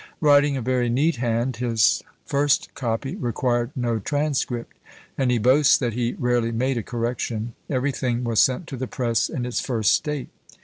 Writing a very neat hand, his first copy required no transcript; and he boasts that he rarely made a correction: everything was sent to the press in its first state.